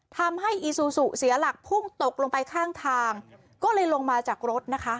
อีซูซูเสียหลักพุ่งตกลงไปข้างทางก็เลยลงมาจากรถนะคะ